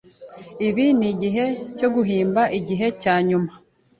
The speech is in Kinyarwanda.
Ibi ni uguhimba igihe cyanyuma.